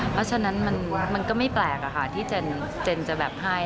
เพราะฉะนั้นมันก็ไม่แปลกที่เจนจะแบบให้